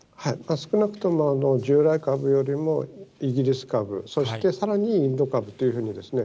少なくとも従来株よりもイギリス株、そして、さらにインド株ということですね。